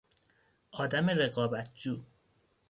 آدم رقابتجو